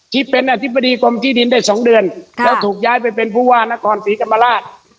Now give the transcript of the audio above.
ที่เป็นอธิบดีกรมที่ดินได้๒เดือนแล้วถูกย้ายไปเป็นผู้ว่านครศรีธรรมราช